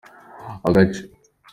agace.